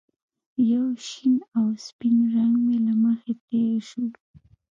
یو شین او سپین رنګ مې له مخې تېر شو